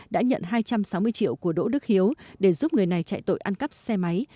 đã nhận hai trăm sáu mươi triệu của đỗ đức hiếu để giúp người này chạy tội ăn cắp xe máy